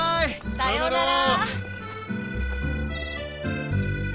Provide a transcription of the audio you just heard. さようなら！